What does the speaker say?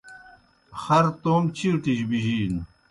خر تومیْ چِیٹِجیْ بِجِینوْ